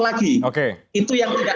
lagi itu yang tidak